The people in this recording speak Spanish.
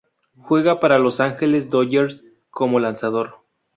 Juega para Los Angeles Dodgers como lanzador.